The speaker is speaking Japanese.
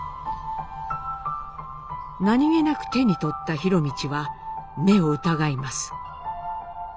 何気なく手に取った博通は目を疑います。